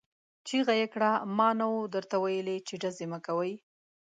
چيغه يې کړه! ما نه وو درته ويلي چې ډزې مه کوئ!